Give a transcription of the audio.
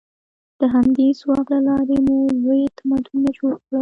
د همدې ځواک له لارې مو لوی تمدنونه جوړ کړل.